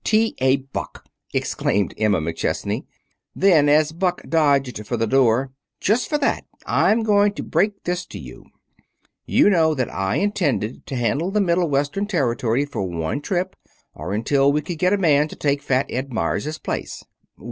"T. A. Buck!" exclaimed Emma McChesney. Then, as Buck dodged for the door: "Just for that, I'm going to break this to you. You know that I intended to handle the Middle Western territory for one trip, or until we could get a man to take Fat Ed Meyers' place."